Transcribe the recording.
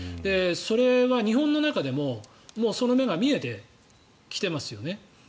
それは日本の中でももうその目が見えてきていますよね。